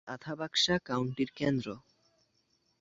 এটি আথাবাসকা কাউন্টির কেন্দ্র।